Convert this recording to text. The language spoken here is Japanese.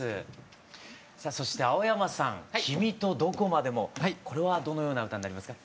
そして青山さん「君とどこまでも」これはどのような歌になりますか？